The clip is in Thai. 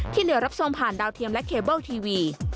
เหนือรับทรงผ่านดาวเทียมและเคเบิลทีวี